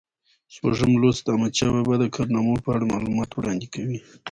شپږم لوست د احمدشاه بابا د کارنامو په اړه معلومات وړاندې کوي.